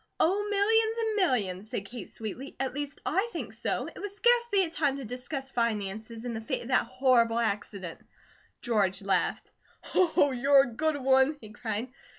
"Oh, millions and millions," said Kate, sweetly, "at least I THINK so. It was scarcely a time to discuss finances, in the face of that horrible accident." George laughed. "Oh, you're a good one!" he cried.